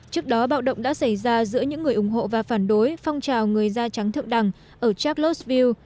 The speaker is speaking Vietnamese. trước đó bạo động đã xảy ra giữa những người ủng hộ và phản đối phong trào người da trắng thượng đằng ở charlottesville